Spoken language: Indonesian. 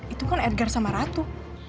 itu kan edgar sama ratu